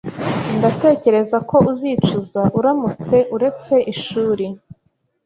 Ndatekereza ko uzicuza uramutse uretse ishuri